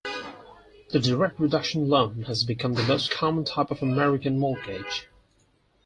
The direct reduction loan has become the most common type of American mortgage.